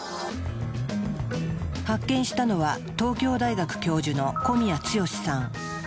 発見したのは東京大学教授の小宮剛さん。